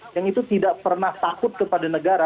yang itu tidak pernah takut kepada negara